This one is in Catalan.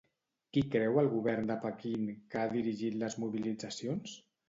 Qui creu el govern de Pequín que ha dirigit les mobilitzacions?